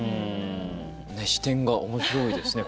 視点が面白いですね。